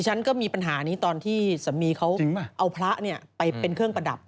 ฉันก็มีปัญหานี้ตอนที่สามีเขาเอาพระไปเป็นเครื่องประดับ